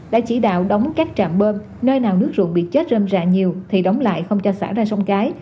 đã chỉ đạo đóng các trạm bơm nơi nào nước ruộng bị chết rơm rạ nhiều thì đóng lại không cho xã ra sông cái